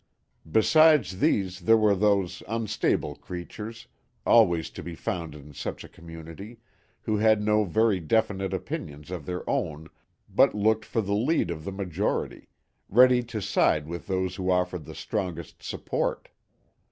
Besides these there were those unstable creatures, always to be found in such a community, who had no very definite opinions of their own, but looked for the lead of the majority, ready to side with those who offered the strongest support.